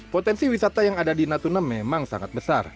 potensi wisata yang ada di natuna memang sangat besar